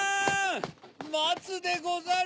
まつでござる！